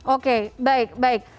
oke baik baik